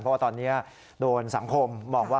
เพราะว่าตอนนี้โดนสังคมมองว่า